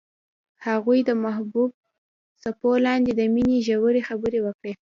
هغوی د محبوب څپو لاندې د مینې ژورې خبرې وکړې.